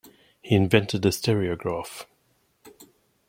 He invented the Stereograph.